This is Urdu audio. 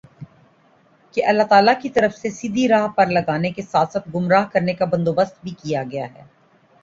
کہ اللہ تعالیٰ کی طرف سے سیدھی راہ پر لگانے کے ساتھ ساتھ گمراہ کرنے کا بندوبست بھی کیا گیا ہے